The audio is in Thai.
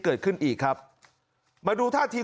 เกิดขึ้นอีกครับมาดูท่าที